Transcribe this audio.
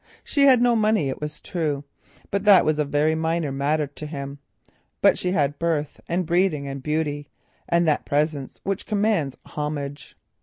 She had little money it was true, but that was a very minor matter to him, and she had birth and breeding and beauty, and a presence which commands homage.